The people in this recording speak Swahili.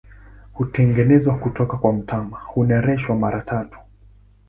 Hutengenezwa kutoka kwa mtama, hunereshwa mara tatu.